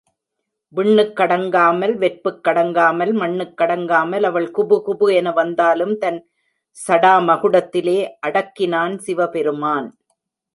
விண்ணுக் கடங்காமல் வெற்புக் கடங்காமல் மண்ணுக்கடங்காமல்... அவள் குபுகுபு என வந்தாலும் தன் சடாமகுடத்திலே அடக்கினான் சிவபெருமான்.